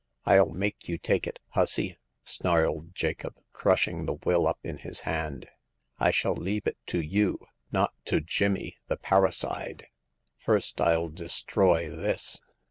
ril make you take it, hussy !*' snarled Jacob, crushing the will up in his hand. I shall leave it to you — not to Jimmy, the parricide. First ril destroy this."